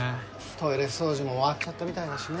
トイレ掃除も終わっちゃったみたいだしね